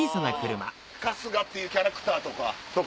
春日っていうキャラクターとか。